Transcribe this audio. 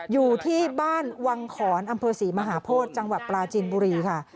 อยู่ที่บ้านวังขอนอำเภอศรีมหาโพธิจังหวัดปลาจีนบุรีค่ะ